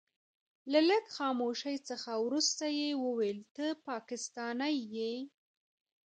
له لږ خاموشۍ څخه وروسته يې وويل ته پاکستانی يې.